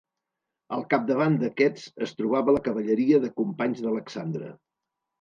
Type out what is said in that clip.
Al capdavant d'aquests es trobava la cavalleria de companys d'Alexandre.